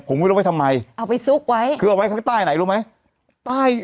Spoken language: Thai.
ผมไม่รู้ไว้ทำไมเอาไปซุกไว้คือเอาไว้ข้างใต้ไหนรู้ไหมใต้